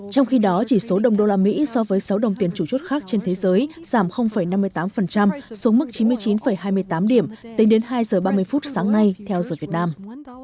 trong khi đó chỉ số đồng đô la mỹ so với sáu đồng tiền chủ chốt khác trên thế giới giảm năm mươi tám xuống mức chín mươi chín hai mươi tám điểm tính đến hai giờ ba mươi phút sáng nay theo giờ việt nam